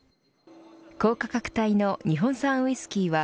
高価格帯の日本産ウイスキーは